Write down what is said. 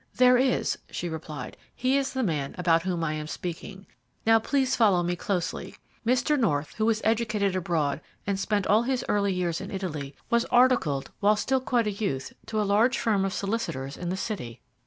"There is," she replied; "he is the man about whom I am speaking. Now please follow me closely. Mr. North, who was educated abroad and spent all his early years in Italy, was articled when still quite a youth to a large firm of solicitors in the City.